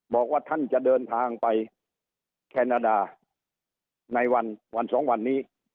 บอกว่าท่านจะเดินทางไปแคนาดาในวันสองวันนี้